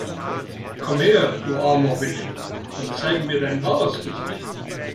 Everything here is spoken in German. Komm her, du armer Wicht, und zeige mir dein wahres Gesicht!